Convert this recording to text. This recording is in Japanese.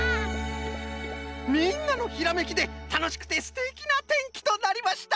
みんなのひらめきでたのしくてすてきなてんきとなりました！